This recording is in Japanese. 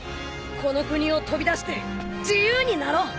この国を飛び出して自由になろう！